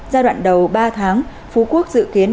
giai đoạn đầu ba tháng phú quốc dự kiến